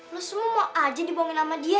lu semua mau aja dibohongin sama dia